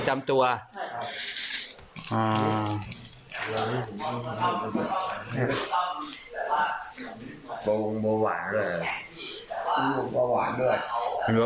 มันก็วานด้วย